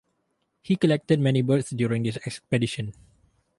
He collected many birds during this expedition.